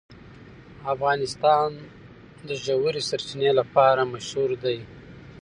افغانستان د ژورې سرچینې لپاره مشهور دی.